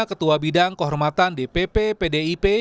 ketua bidang kehormatan dpp pdip